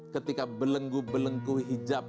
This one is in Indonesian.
ketika belenggu belenggu hijab